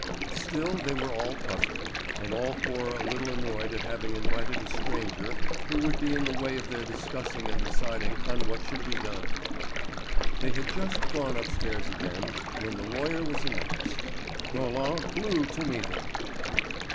Still, they were all puzzled, and all four a little annoyed at having invited a stranger, who would be in the way of their discussing and deciding on what should be done. They had just gone upstairs again when the lawyer was announced. Roland flew to meet him.